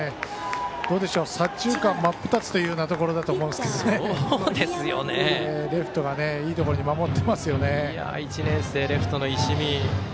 左中間真っ二つというところだったと思うんですけどレフトが、いいところに１年生、レフトの石見。